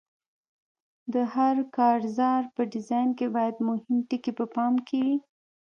د هر کارزار په ډیزاین کې باید مهم ټکي په پام کې وي.